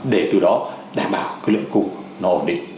để từ đó đảm bảo cái lượng cung nó ổn định